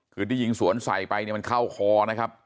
คือที่ยิงสวนใส่ไปเนี่ยมันเข้าคอนะครับ